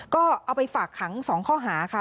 ก็เอาไปฝากขัง๒ข้อหาค่ะ